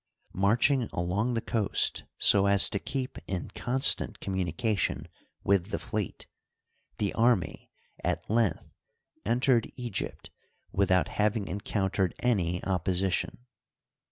Marching along the coast so as to keep in constant communication with the fleet, the army at length entered Egypt without having encountered any opposition.